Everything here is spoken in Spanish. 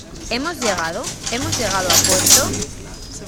¿ hemos llegado? ¿ hemos llegado a puerto ?